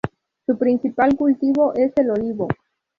Su principal cultivo es el olivo.